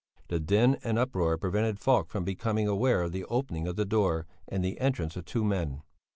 The din and uproar prevented Falk from becoming aware of the opening of the door and the entrance of two men.